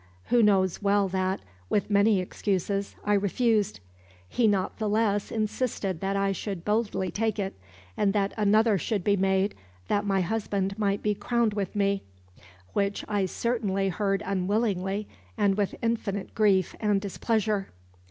Who knows well that, with many excuses, I refused. He not the less insisted that I should boldly take it, and that another should be made that my husband might be crowned with me, which I certainly heard unwillingly, and with infinite grief and displeasure."